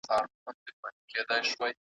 نه تر ښار نه تر بازاره سو څوک تللای .